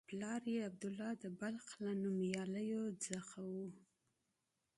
پلار یې عبدالله د بلخ له نومیالیو څخه و.